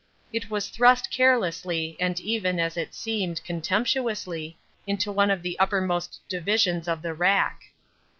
It was thrust carelessly, and even, as it seemed, contemptuously, into one of the uppermost divisions of the rack.